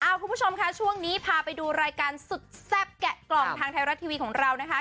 คุณผู้ชมค่ะช่วงนี้พาไปดูรายการสุดแซ่บแกะกล่องทางไทยรัฐทีวีของเรานะคะ